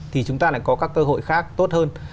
thì chúng ta lại có các cơ hội khác tốt hơn